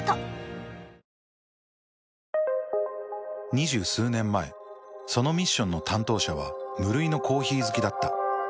２０数年前そのミッションの担当者は無類のコーヒー好きだった。